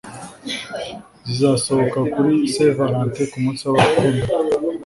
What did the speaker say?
zizasohoka kuri St Valentin, kumunsi wabakundana